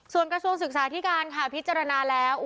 ส่วนกระทรวงศึกษาที่การค่ะพิจารณาแล้ว